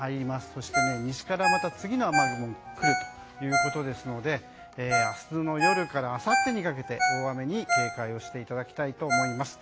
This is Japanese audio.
そして西からまた次の雨雲が来るということですので明日の夜からあさってにかけて大雨に警戒していただきたいと思います。